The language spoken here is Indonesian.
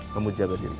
kamu jaga dirimu